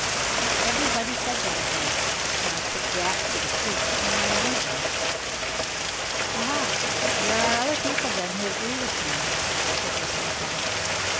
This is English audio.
Everybody said that of me, when I put Jack to the proof in my own house." "Aha! there are other people then who agree with me?" said Mr. Keller.